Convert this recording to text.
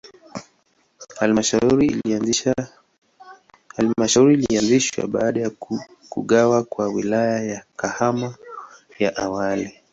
Halmashauri ilianzishwa baada ya kugawa kwa Wilaya ya Kahama ya awali.